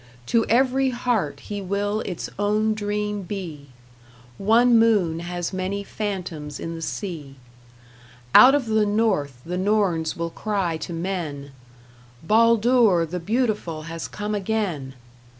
To every heart he will its own dream be: One moon has many phantoms in the sea. Out of the North the norns will cry to men: "Baldur the Beautiful has come again!"